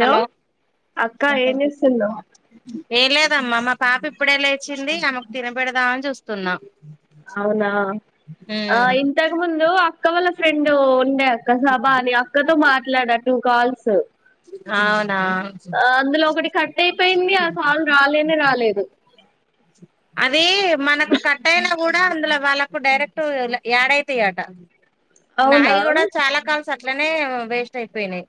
hello అక్క ఏం చేస్తున్నావ్ ఏం లేదమ్మా మా పాప ఇప్పుడే లేచింది ఆమెకు తినబెడదామని చూస్తున్నా అవునా ఆ ఇంతకు ముందు అక్క వాళ్ళ ఫ్రెండ్ ఉండే [unintelligible] అని అక్కతో మాట్లాడా టూ కాల్స్ అవును అందులో ఒకటి కట్ అయిపోయింది ఆ కాల్ రాలేనే రాలేదు అది మనకు కట్టయినా కూడా అందులో వాళ్ళకు డైరెక్ట్ యాడ్ అయితయట నాయి అవునా కూడా చాలా కాల్స్ అట్లనే వేస్ట్ అయిపోయినయి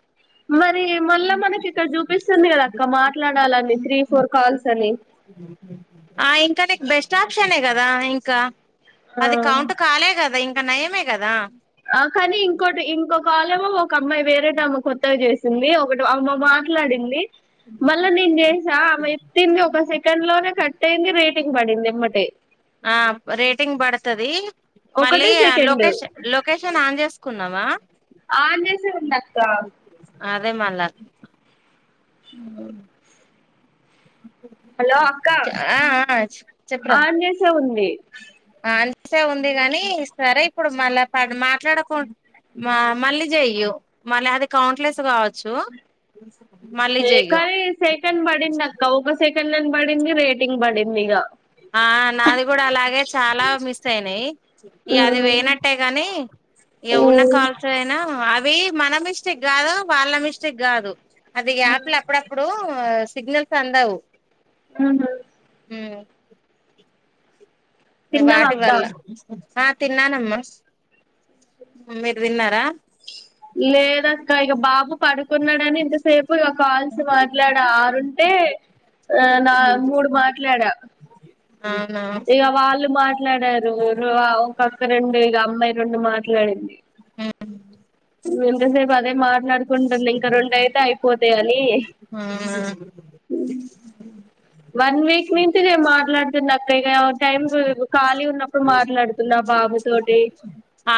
మరి మళ్ళ మనకి ఇక్కడ చూపిస్తుంది కదక్క మాట్లాడ లని త్రీ ఫోర్ కాల్స్ అని ఆ ఇంకా నీకు బెస్ట్ ఆప్షనే కదా ఇంకా ఆ అది కౌంట్ కాలే కదా ఇంకా ఇక నయమే కదా ఆ కానీ ఇంకోటి ఇంకో కాలేమో ఒక అమ్మాయి వేరేటామ కొత్తగ చేసింది ఒకటి అమ మాట్లాడింది మళ్ళ నేను చేసా ఆమె ఎత్తింది ఒక సెకండ్ లోనే కట్ అయింది రేటింగ్ పడింది ఎమ్మటె ఆ రేటింగ్ పడతది మళ్ళీ ఒకటే సెకండ్ లొకేషన్ లొకేషన్ ఆన్ చేసుకున్నవా ఆన్ చేసే ఉంద అదే మళ్ళ ఉ హలో అక్క ఆ ఆ చెప్పురా ఆన్ చేసే ఉంది అంతే ఉంది గాని సరే ఇప్పుడు మళ్ళ మాట్లాడకుం మా మళ్ళీ చెయ్యు మళ్ళీ అది కౌంట్లెస్ కావచ్చు మళ్ళీ చెయ్యు కానీ సెకండ్ పడిందక్క ఒక సెకండ్ అని పడింది రేటింగ్ పడింది ఇక ఆ నాది కూడా అలాగే చాలా మిస్ అయినయి ఇగ అది పోయినట్టే కానీ ఇగ ఉన్న కాల్స్ అయినా అది అవి మన మిస్టేక్ కాదు వాళ్ళ మిస్టేక్ కాదు అది ఆప్లా అప్పుడప్పుడు సిగ్నల్స్ అందవు ఉమ్ తిన్నావా వాటి అక్క వల్ల ఆ తిన్నానమ్మా మీరు తిన్నారా పడుకున్నడని ఇంతసేపు ఇక కాల్స్ మాట్లాడ ఆరుంటే ఆ నా మూడు మాట్లాడా అవునా ఇగ వాళ్ళు మాట్లాడారు ను ఆ ఒక అక్క రెండు ఇగ అమ్మాయి రెండు మాట్లాడింది ఉహ్ ఎంతసేపు అదే మాట్లాడుకుంటున్నా ఇంక రెండ అయితే అయి ఆ వన్ వీక్ నుంచి నెన్ మాట్లాడుతున్నా అక్క ఇగ టైమ్ ఖాళీ ఉన్నప్పుడు మాట్లాడుతున్నా ఆ పా మ తోటి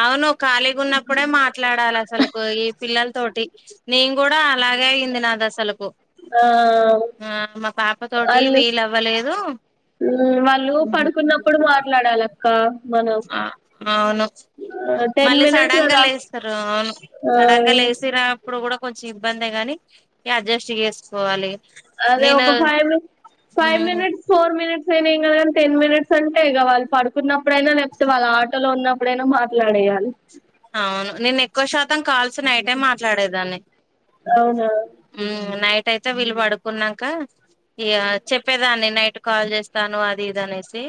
అవును ఖాళీగా ఉన్నప్పుడే మాట్లాడాలి అసలుకు ఈ పిల్లల్ తోటి నేను కూడా అలాగే అయ్యంది నాదసలు బో ఆ ఆ మా పాప తోటి వాళ్ళు వీలవ్వలేదు వాళ్ళు పడుకున్నప్పుడు మాట్లాడాలా ఆ అవును టెన్ మళ్ళీ మినిట్స్ సడన్ గా కదా లేస్తారు అవును ఆ సడన్ గా లేసిరా ఇప్పుడు కూడా కొంచెం ఇబ్బంది గాని ఇగ అడ్జస్ట్ చేసుకోవాలి అదే ఒ నేను ఫైవ్ మినే ఫైవ్ మ్ మినిట్స్ ఫోర్ మినిట్ ట్స్ అయిన ఎంగాద్ టెన్ మినిట్స్ అంటే ఇగవాల్ పడుకున్నప్పుడైనా లేపోతే వాళ్ ఆటలో ఉన్నప్పుడైనా మాట్ అవును నేను ఎక్కువ శాతం కాల్స్ నైటే మాట్లాడేదాన్ని అవునా ఉమ్ నైట్ అయితే వీలు పడుకునంకా ఇగ చెప్పేదాన్ని నైట్ కాల్ చేస్తాను అది ఇది అనేసి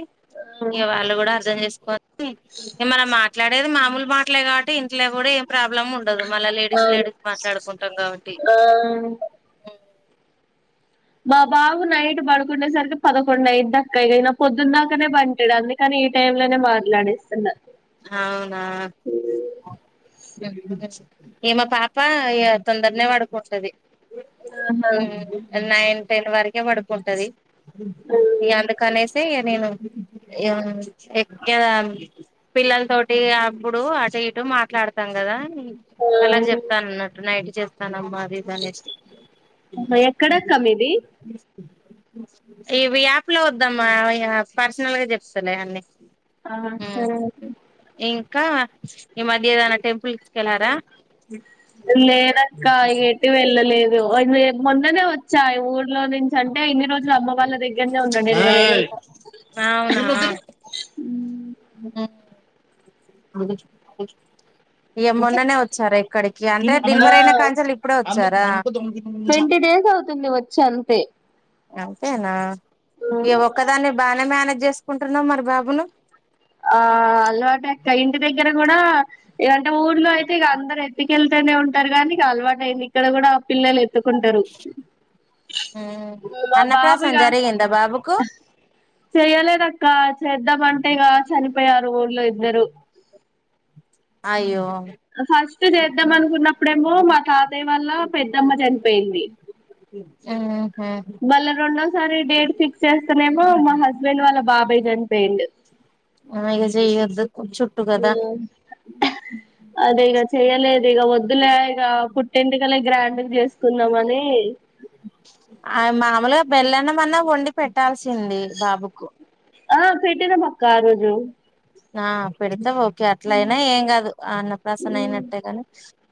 ఇక అవును వాళ్ళు కూడా అర్థం చేస్ ఉ మనం మాట్లాడేది మామూలు మాట్లే కాబట్టి ఇంట్లో కూడా ఏం ప్రాబ్లం ఉం ఉండదు మళ్ళ లేడీస్ లేడీస్ మాట్లాడుకుంటాం కావట్టి ఆ మా బాబు నైట్ పడుకునేసరికి పదకొండు అయిత్దీ అక్క ఇన పొద్దున దాకనే బంటడు అందుకని కానీ ఈ టైం లనే మాట్లాడేస్తున్న అవునా ఇగ మా పాప తొందరనే పడుకుంటది ఆహా నైన్ టెన్ వరకే పడుకుంటది ఇగ అందుకనేసి నేను ఎవ్వన్న ఎగ్జామ్ పిల్లల తోటి అప్పుడు అటు ఇటు మాట్లాడతాం కదా వాళ్ళకి చెప్తాను అన్నట్టు నైట్ చెస్తానమ్మా అని ఎక్కడక్క మీది ఇవి యాప్ లో వద్దామ్మా య పర్సనల్ గా చెప్తలే అన్నీ ఆ సరే ఇంకా ఈ మధ్యదన టెంపుల్స్కెల్లారా లేదక్క ఇగ ఎటు వెళ్ళలేదు ఒందు చెప్ మొన్ననే వచ్చా ఊర్లో నుంచి అంటే ఇన్ని రోజ్ అమ్మ వాళ్ళ దగ్గరనే ఉన్న డెలివర్ అయినంకా హు ఇగ మోన్ననే వచ్చారా ఇక్కడికి కీ అంటే ఆ డెలివర్ అయినా కాంచెల్ ఇప్పుడే వచ్చారా ట్వంటీ డేస్ అవుతుంది వచ్చి అంతే అంతేనా ఇ ఒక్కదాన్ని బానే మేనేజ్ చేసుకుంటున్నావు మరి బాబును ఆ అలవాటక్క ఇంటి దగ్గర కూడా ఏదంటే ఊర్లో అయితే ఇక అందరు ఎత్ కెళ్తేనే ఉంటారు గానీ అలవాటు అయింది ఇక్కడ కూడా పిల్లలు ఎత్తుకుంటారు ఉ మా బాబు అన్నప్రాసన్నా జారేగిందా బాబుకు చెయలేదక్క చేద్దామంటేగా చనిపోయారు ఊర్లో ఇద్దరు అయ్యో ఫస్ట్ చేద్దాం అనుకున్నప్పుడేమో మా తాతయ్య వల్ల పెద్దమ్మ చనిపోయింది ఉహ్ మళ్ళ రెండోసారి డేట్ ఫిక్స్ చేస్తనేమో మా హస్బెండ్ వాళ్ళ బాబాయ్ జన్ పెయిండు ఆ ఇగ జేయొద్దు ఉమ్ అదే ఇగ చెయ్యలేదు వ ప్పాలే ఇక పుట్టింటికలే గ్రాండ్ంగ్ చేసుకున్నామని ఆ మామూలుగా బెల్లన్నమన్నా వండి పెట్టాల్సింది బాబుకు ఆ పెట్టినం అక్క ఆ రోజు ఆ పెడితే ఓ అట్ల అయినా ఏం కాదు ఆ అన్నప్రాసన్న అయినట్టే గాని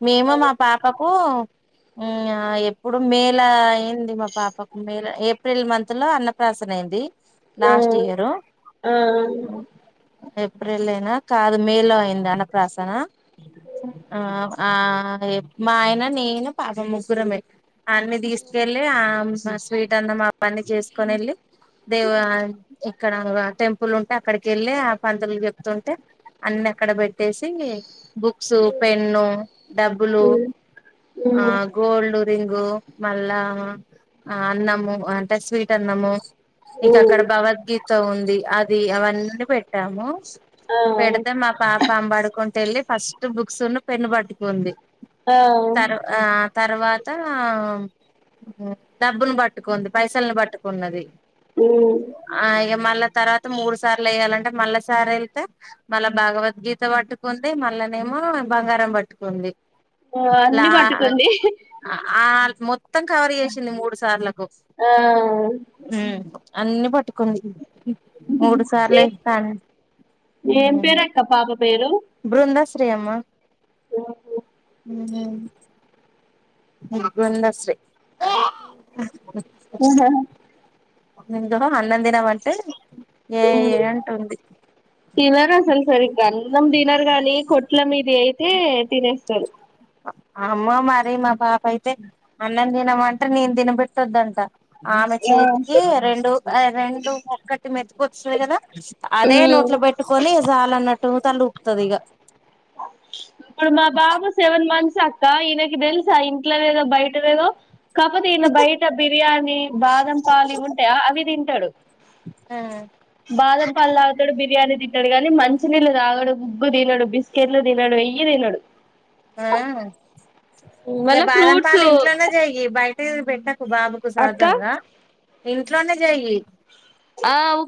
మేము మా పాపకు ఆ ఎప్పుడు మేల అయింది మా పాపకు మేల ఏప్రిల్ మంత్ లో అన్నప ప్రసన్న అయింది ఆ లాస్ట్ ఇయరు ఆ ఏప్రిల్ ఏన్నా కాదు మే లో అయింది అనప్రాసన ఆ ఆ మా ఆయన నేను పాప ముగ్గురమే అన్ని తీసుకెళ్ళి ఆ స్వీట్ అన్న మా పన్ని చేసుకొని వెళ్ళి దేవ ఇక్కడ టెంపుల్ ఉంటే అక్కడికి ఎళ్ళి పంతులు చెప్తుంటే అన్ని అక్కడ పెట్టేసి బుక్స్ పెన్ను డబ్బులు ఉమ్ ఆ ఉమ్ గోల్డ్ రింగు మళ్ళా అన్నము అంటే స్వీట్ అన్నము ఇంక అక్కడ భగవద్గీత ఉంది అది అవన్నీ పెట్టాము ఆ పెడితే మా పాప అంబడుకుంట వెళ్ళి ఫస్ట్ బుక్స్న్న పెన్ను బట్టుకుంది ఆ తరు ఆ తర్వాత డబ్బును పట్టుకుంది పైసల్ పట్టుకున్నది ఉమ్ ఆ ఇక మళ్ళా తర్వాత మూడు సార్లు ఎయ్యాలంటే మళ్ళా సార్ వెళ్తే మళ్ళా భాగవద్గీత పట్టుకుంది మళ్ళనేమో బంగారం పట్టుకుంది ఆ లా అన్ని పట్టుకుంది ఆ మొత్తం కవర్ చేసింది మూడు సార్లకు ఆ ఉమ్ అన్ని పట్టుకుంది మూడు ఏ సార్లే ఏం పేరక్క పాప పేరు బృందశ్రీ అమ్మ ఉమ్ బృందశ్రీ ఆహా ఎందుకు అన్నం తిన్నవంటే ఏ ఏ అంటుంది తిన్నారు అసలు సరిగా అన్నం తిన్నారు గానీ కొట్ల మీది అయితే తినేస్త అమ్మ మరి మా పాప అయితే అన్నం తినమంటే నేను తినబెట్టతుద్దంట ఆమె ఆ చేతికి రెండు రెండు ఒక్కటి మెతుకుొస్తుంది కదా అదే నోట్ల ఉమ్ పెట్టుకొని చాలన్నట్టు తల్లఊపుతది ఇగ ఇప్పుడు మా బాబ సెవెన్ మంతస్ అక్క ఈయన తెలుసా ఇంట్లోదేదో బయటదేదో కాకపోతే ఇలా బయట బిర్యానీ బాదంపలుి ఉంటాయా అవి తింటాడు ఆ బాదం పాలు తాగుతాడు బిర్యానీ తిట్టాడు కానీ మంచినీళ్ళు ఆగడు ఉు్గు తినడు బిస్కెట్ తినోడు ఇయ్య తినోడు ఆ గా మళ్ళ బాదం ఫ్రూట్స్ పాలు ఇంట్లోనే జేయి బయటిది పెట్టకు బాబుకు అక్క సహజంగా ఇంట్లోనే చెయ్య అవు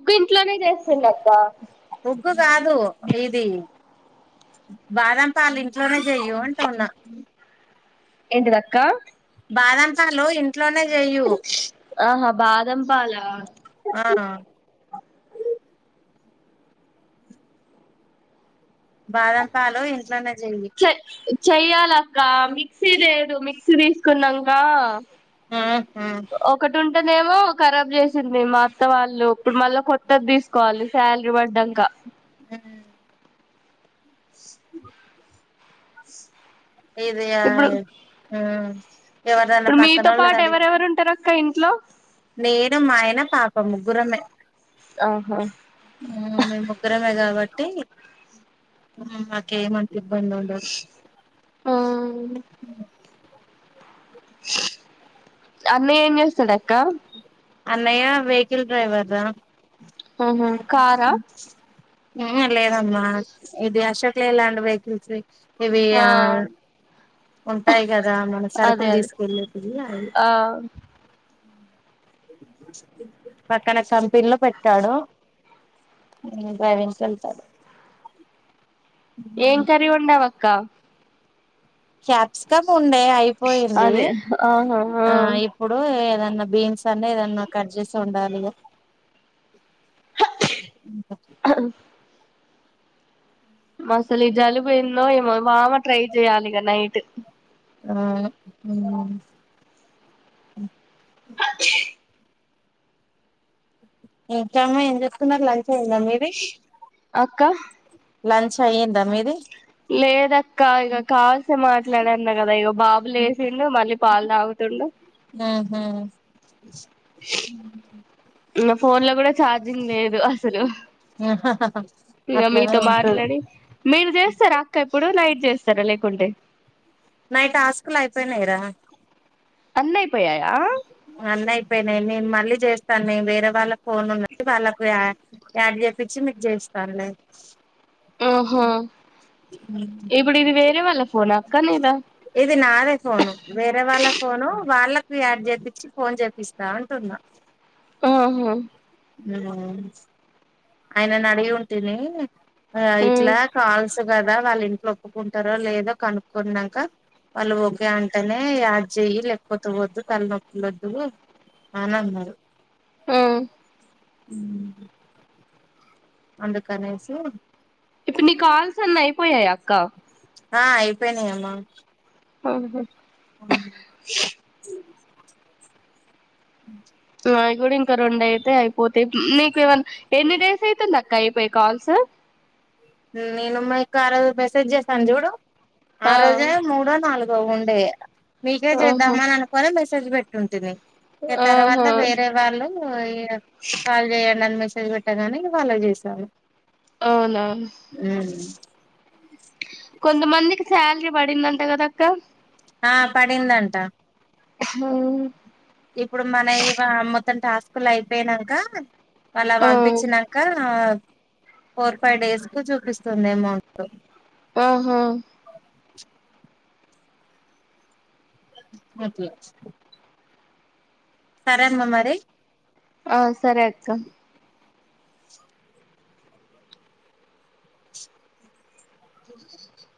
ఉగ్గు కాదు ఇది బాదం పాలు ఇంట్లో నే చేయి అంటున్నా ఎంటిదక్కా బాదంపాలు ఇంట్లోనే చెయు ఆహా బాదం పాల ఆ బాదం పాలు ఇంట్లోనే చెయయిి చెయ్యాల అక్క మిక్సీ లేదు మిక్సీ తీసుకున్నాంగా ఆ హా అత్తనేమో కరాబ్ చేసింది మా అక్క వాళ్ళు ఇప్పుడు మళ్ళా కొత్తది తీసుకోవాలి శాలరీ పడ్డాంక ఇదయా ఇప్పుడు మ్ ఎవరిదైనా ఇప్పుడు మీతో పక్కనోళ్ళది పాటు అడిగినా ఎవరెవరు ఉంటారు అక్క ఇంట్లో నేను మా ఆయన పాప ముగ్గురమే ఆహా మ్మ్ ముగ్గురమే కాబట్టి మాకేమంటు ఇబ్బంది ఉండదు అన్నయ్య ఏంజేస్తడక్క అన్నయ్య వెహికిల్ డ్రైవర్ రా హుహు కారా ఉహు లేదమ్మా ఇది అశోక లయా ల్యాండ్ వెహికల్స్ వి ఇవి ఆ ఉంటాయి గదా మన అదే సరుకులు అదే తీసుకునేటివి అవి ఆ పక్కన కంపెనీలో పెట్టాడు డ్రైవింగ్ సెంటర్ ఏం కర్రీ వండావక్క క్యాప్సీకం ఉండే అయిపోయింది అదే ఆహా ఆ ఇప్పుడు ఏద న్నా బీన్స్ అన్న ఏదన్నా కట్ జేసి వండాలిగా మసలు జలు పో ఎందో ఏమో మామ ట్రై చెయాలిగ నైట్ ఊ మ్ ఇంకామ్మ ఏం చేత్తన్నారు లంచ్ అయిందా మీది అక్క లంచ్ అయిందా మీది లేదక్క ఇగ కాల్సు మాట్లాడన్నా కదా ఇగ బాబు లేసిండు మళ్ళీ పాల్ దాగుతుండు మ్ హు ఇంగా ఫోన్ లో గూడా చార్జింగ్ లేదు అసలు ఇగ అట్లనే మీతో ఉంటది మాట్లాడి మీరు చేస్తారా అక్క ఇప్పుడు నైట్ చేస్తారా లేకుంటే నావి టాస్కులు అయిపోయినాయిరా అన్ని అయిపో అన్ని అయిపోయినాయి నేను మళ్ళీ చేస్తాను నేను వేరే వాళ్ళకు ఫోన్ ఉన్నది వాళ్ళకు యా యాడ్ జెపిచ్చి మీకు చేయిస్తాను లె ఆహా ఇప్పుడు ఇది వేరే వాళ్ళ ఫోనా అక్క నిదా ఇది నాదే ఫోను వేరే వాళ్ళ ఫోను వాళ్ళకి యాడ్ చేప్పించి ఫోన్ చేపిస్తా అంటున్నా ఆహ ఆయనడిగి ఉంటిని ఆ ఇట్లా కాల్స్ కదా వాళ్ళింట్లో ఒప్పుకుంటారో లేదో కనుక్కున్నాంక వాళ్ళు ఓకే అంటేనే యాడ్ చెయ్యి లేకపోతే వద్దు తలనొప్పులోద్దు అనన్నరు మ్మ్ అందుకనేసి ఇప్పుడు నీ కాల్సన్ని అయిపోయాయ అక్క ఆ అయిపోయినాయ అమ్మా ఆహ [unintelligible] ఉ నావి కూడా ఇంకా రెండయితే అయిపోతయి నీకు ఏమనా ఎన్ని డేస్ అయితుంది అక్క అయిపోయి కాల్స్ మ్ నేను మీకి ఆరోజు మెసేజ్ చేసాను జుడు ఆ రోజే మూడో నాలుగో ఉండే మీకే ఆహా చేద్దామ అని అనుకోని మెసేజ్ పెట్ ఉంటుంది తర్వాత ఆహా వేరే వాళ్ళు ఇగ కాల్ చేయండి అని మెస్ అదిపెట్టగానే వాళ్ళకు చేసాను అవునా ఉమ్ కొంతమందికి శాల్రీ పడిందంట కదాక్క ఆ పడిందంట అ హా ఇప్పుడు మన ఇవ మొత్తం టాస్కులు అయిపోయినాక వాళ్ల ఆ పంపించినాక ఆ ఫోర్ ఫైవ్ డేస్ కు చూపిస్తుంది ఎమౌంట్ ఆహా అపిచ్ సరే అమ్మ మరి ఆ సరే అక్క [unintelligible]